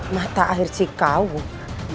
mata air cikawung